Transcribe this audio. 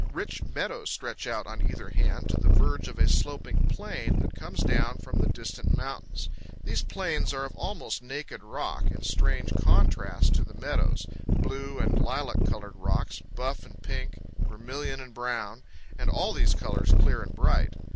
Rich meadows stretch out on either hand to the verge of a sloping plain that comes down from the distant mountains. These plains are of almost naked rock, in strange contrast to the meadows, blue and lilac colored rocks, buff and pink, vermilion and brown, FROM ECHO PARK TO THE MOUTH OF UINTA RIVER. 179 and all these colors clear and bright.